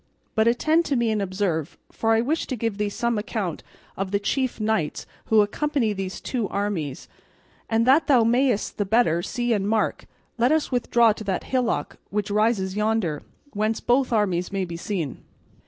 But attend to me and observe, for I wish to give thee some account of the chief knights who accompany these two armies; and that thou mayest the better see and mark, let us withdraw to that hillock which rises yonder, whence both armies may be seen."